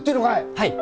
はい。